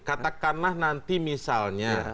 katakanlah nanti misalnya